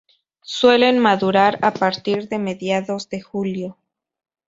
Suelen madurar a partir de mediados de julio.